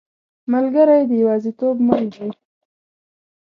ملګری د یوازیتوب مل دی.